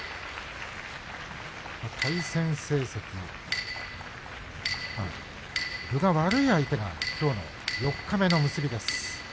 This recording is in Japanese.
対戦成績、分が悪い相手がきょうの四日目の結びです。